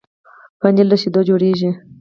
پنېر له شيدو جوړېږي.